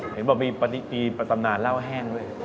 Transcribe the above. เห็นบอกมีปฏิตำนานเล่าแห้งด้วย